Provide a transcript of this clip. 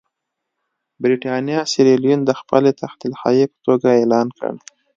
برېټانیا سیریلیون د خپل تحت الحیې په توګه اعلان کړ.